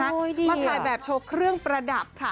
มาถ่ายแบบโชว์เครื่องประดับค่ะ